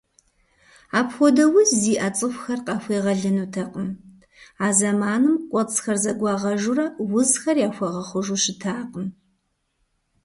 Апхуэдэ уз зиӏэ цӏыхухэр къахуегъэлынутэкъым, а зэманым кӏуэцӏхэр зэгуагъэжурэ узхэр яхуэгъэхъужу щытакъым.